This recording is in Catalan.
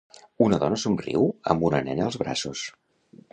Una dona somriu amb una nena als braços.